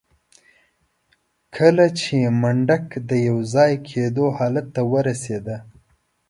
کله چې منډک د يوځای کېدو حالت ته ورسېده.